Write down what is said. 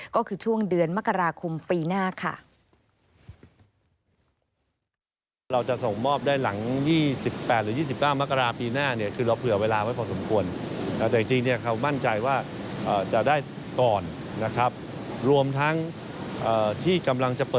ก็คือช่วงเดือนมกราคมปีหน้าค่ะ